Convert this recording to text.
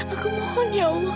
aku mohon ya allah